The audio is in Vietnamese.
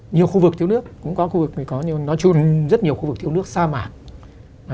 nhiều khu vực thiếu nước nói chung rất nhiều khu vực thiếu nước xa mạng